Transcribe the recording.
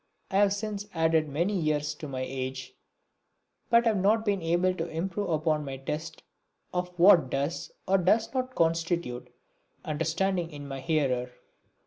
I have since added many years to my age but have not been able to improve upon my test of what does or does not constitute understanding in my hearer.